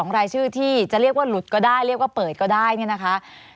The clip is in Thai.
รายชื่อที่จะเรียกว่าหลุดก็ได้เรียกว่าเปิดก็ได้เนี่ยนะคะ